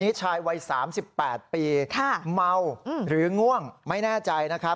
ชายวัย๓๘ปีเมาหรือง่วงไม่แน่ใจนะครับ